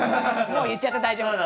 もう言っちゃって大丈夫！